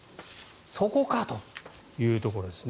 そこかというところですね。